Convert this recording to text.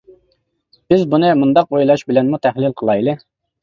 بىز بۇنى مۇنداق ئويلاش بىلەنمۇ تەھلىل قىلايلى.